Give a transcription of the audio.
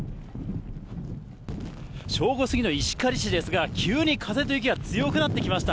正午過ぎの石狩市ですが、急に風と雪が強くなってきました。